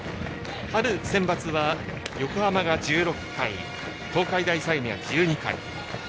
春のセンバツは横浜が１６回東海大相模は１２回。